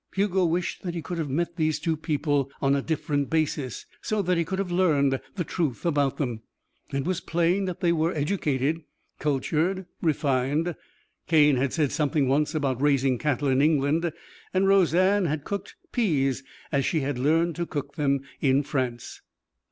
Hugo wished that he could have met these two people on a different basis, so that he could have learned the truth about them. It was plain that they were educated, cultured, refined. Cane had said something once about raising cattle in England, and Roseanne had cooked peas as she had learned to cook them in France.